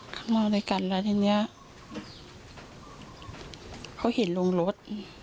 ข้างนอกด้วยกันแล้วทีนี้เขาเห็นลุงรถ